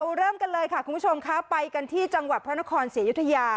เริ่มกันเลยค่ะคุณผู้ชมค่ะไปกันที่จังหวัดพระนครศรีอยุธยา